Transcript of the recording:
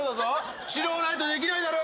資料ないとできないだろうが。